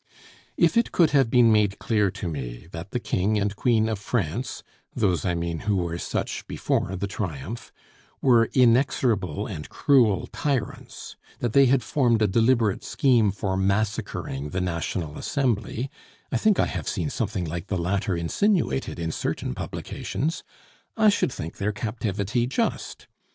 If it could have been made clear to me that the King and Queen of France (those I mean who were such before the triumph) were inexorable and cruel tyrants, that they had formed a deliberate scheme for massacring the National Assembly (I think I have seen something like the latter insinuated in certain publications), I should think their captivity just.